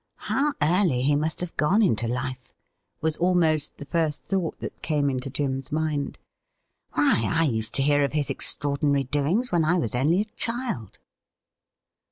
' How early he must have gone into life !' was almost the first thought that came into Jim's mind. 'Why, I used to hear of his extraordinary doings when I was only a child.'